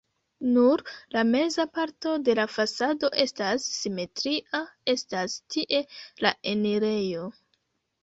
Nur la meza parto de la fasado estas simetria, estas tie la enirejo.